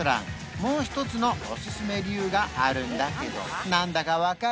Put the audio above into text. もう一つのおすすめ理由があるんだけど何だか分かる？